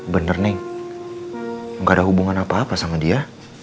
bener nih gak ada hubungan apa apa sama dia